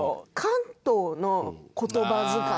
関東の言葉遣い。